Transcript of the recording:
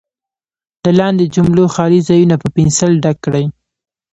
د لاندې جملو خالي ځایونه په پنسل ډک کړئ.